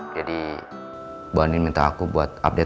jadi bu andin minta aku buat apelin